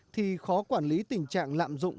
thì khó quản lý tình trạng lạm dụng